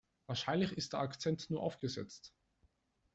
Wahrscheinlich ist der Akzent nur aufgesetzt.